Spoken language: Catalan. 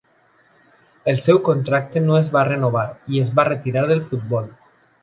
El seu contracte no es va renovar i es va retirar del futbol.